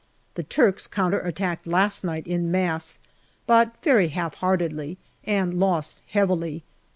The Turks counter attacked last night in mass, but very half heartedly, and lost heavily.